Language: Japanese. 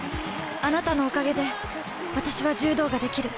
あなたのおかげで私は柔道ができる。